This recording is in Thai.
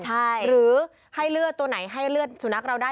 ใช่หรือให้เลือดตัวไหนให้เลือดสุนัขเราได้